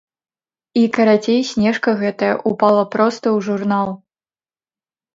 І, карацей, снежка гэтая ўпала проста ў журнал.